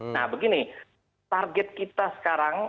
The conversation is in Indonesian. nah begini target kita sekarang